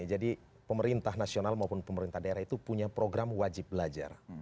jadi pemerintah nasional maupun pemerintah daerah itu punya program wajar